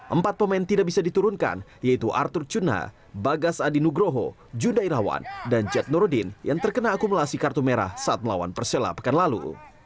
empat pemain tidak bisa diturunkan yaitu arthur cuna bagas adinugroho junda irawan dan jad nodin yang terkena akumulasi kartu merah saat melawan persela pekan lalu